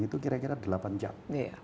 itu kira kira delapan jam